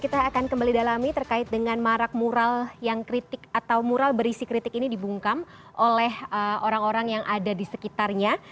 kita akan kembali dalami terkait dengan marak moral yang kritik atau mural berisi kritik ini dibungkam oleh orang orang yang ada di sekitarnya